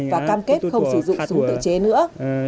và cam kết không sử dụng súng tự chế nữa